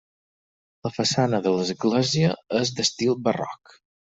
La façana de l'església és d'estil barroc.